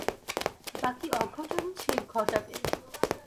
বাকি অঘটন সে ই ঘটাবে।